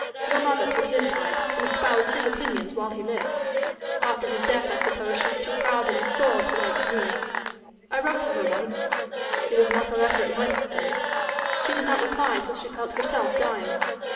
Your mother took his side and espoused his opinions while he lived. After his death, I suppose, she was too proud and sore to write to me. I wrote to her once it was not the letter it might have been. She did not reply till she felt herself dying.